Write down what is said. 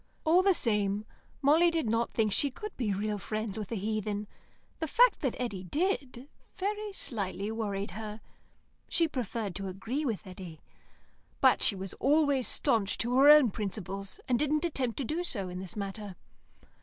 All the same, Molly did not think she could be real friends with a heathen. The fact that Eddy did, very slightly worried her; she preferred to agree with Eddy. But she was always staunch to her own principles, and didn't attempt to do so in this matter.